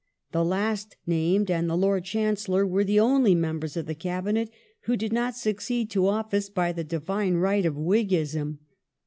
The last named and the Lord Chancellor were the only members of the Cabinet who did not succeed to office by the Divine right of Whiggism.